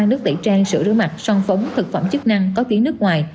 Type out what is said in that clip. nước tẩy trang sữa rửa mặt son phống thực phẩm chức năng có tiếng nước ngoài